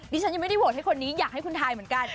ฉันยังไม่ได้โหวตให้คนนี้อยากให้คุณทายเหมือนกัน